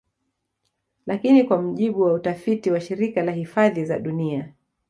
Lakini kwa mujibu wa utafiti wa Shirika la hifadhi za dunia